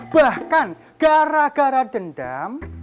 bahkan gara gara dendam